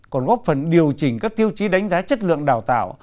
còn góp phần điều chỉnh các tiêu chí đánh giá chất lượng đào tạo